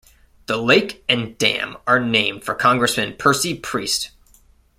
The lake and dam are named for Congressman Percy Priest.